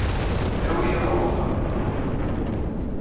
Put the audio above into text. Awi-iyi ɣer uxxam-nneɣ.